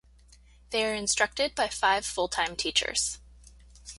They are instructed by five full-time teachers.